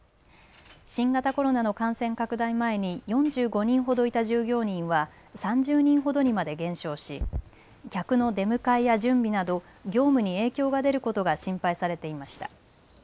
新型コロナの感染拡大前に４５人ほどいた従業員は３０人ほどにまで減少し客の出迎えや準備など業務に影響が出ることが心配されていました。